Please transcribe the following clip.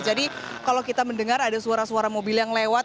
jadi kalau kita mendengar ada suara suara mobil yang lewat